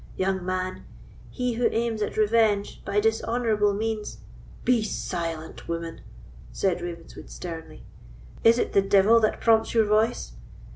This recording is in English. Young man, he who aims at revenge by dishonourable means——" "Be silent, woman!" said Ravenswood, sternly; "is it the devil that prompts your voice?